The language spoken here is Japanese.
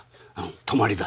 泊まりだ。